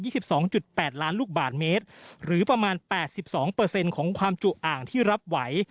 สิบสองจุดแปดล้านลูกบาทเมตรหรือประมาณแปดสิบสองเปอร์เซ็นต์ของความจุอ่างที่รับไหว